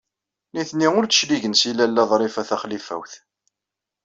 Nitni ur d-cligen seg Lalla Ḍrifa Taxlifawt.